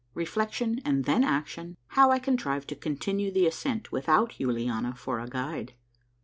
— REFLECTION AND THEN ACTION. — HOW I CONTRIVED TO CONTINUE THE ASCENT WITHOUT YULIANA FOR A GUIDE.